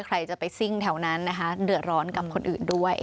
ใครจะไปซิ่งแถวนั้นนะคะเดือดร้อนกับคนอื่นด้วย